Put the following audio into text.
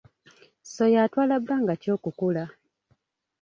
Ssoya atwala bbanga ki okukula?